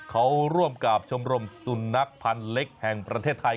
เขาร่วมกับชมรมสุนัขพันธ์เล็กแห่งประเทศไทย